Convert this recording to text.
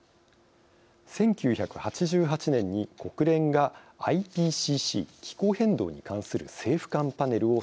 １９８８年に国連がＩＰＣＣ「気候変動に関する政府間パネル」を設立。